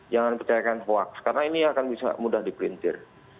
jangan percayakan voax karena ini akan mudah diprintir